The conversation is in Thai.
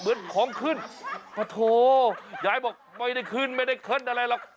เหมือนของขึ้นปะโถยายบอกไม่ได้ขึ้นไม่ได้ขึ้นอะไรหรอก